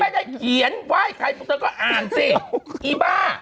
เขาก็ไม่ได้เขียนไหว้ใครคุณก็อ่านสิอีบ้า